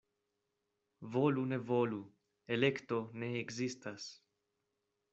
Volu-ne-volu — elekto ne ekzistas.